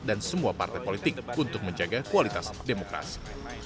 dan semua partai politik untuk menjaga kualitas demokrasi